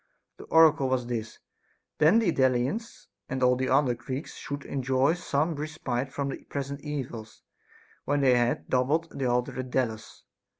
The oracle was this :" Then the Delians and all the other Greeks should enjoy some respite from their present evils, when they had doubled the altar at Delos."